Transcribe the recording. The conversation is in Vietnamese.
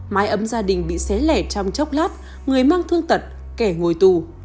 mái ấm gia đình bị xé lẻ trong chốc lát người mang thương tật kẻ ngồi tù